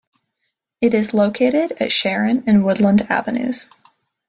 It is located at Sharon and Woodland Avenues.